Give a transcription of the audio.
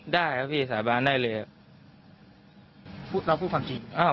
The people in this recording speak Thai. ได้ครับพี่สาบานได้เลยครับ